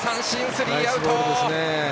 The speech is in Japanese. スリーアウト！